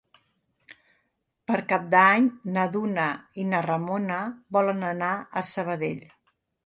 Per Cap d'Any na Duna i na Ramona volen anar a Sabadell.